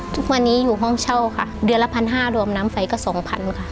ทุกวันนี้อยู่ห้องเช่าค่ะเดือนละพันห้ารวมน้ำไฟก็๒๐๐๐ค่ะ